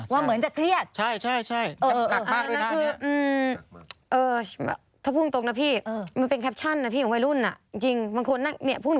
ว่าเหมือนจะเครียด